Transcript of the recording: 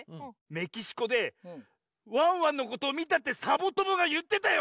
メキシコでワンワンのことをみたってサボともがゆってたよ！